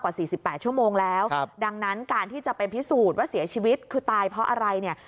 สี่สิบแปดชั่วโมงแล้วครับดังนั้นการที่จะไปพิสูจน์ว่าเสียชีวิตคือตายเพราะอะไรเนี่ย